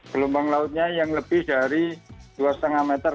gelombang lautnya yang lebih dari dua lima meter